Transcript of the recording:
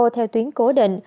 theo tuyến cố định